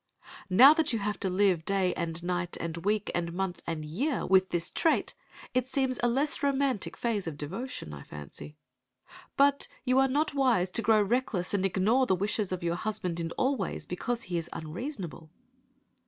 Now that you have to live day, and night, and week, and month, and year, with this trait, it seems a less romantic phase of devotion, I fancy. But you are not wise to grow reckless and ignore the wishes of your husband in all ways, because he is unreasonable.